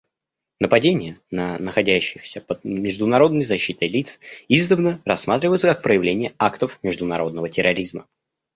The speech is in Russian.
Нападения на находящихся под международной защитой лиц издавна рассматриваются как проявление актов международного терроризма.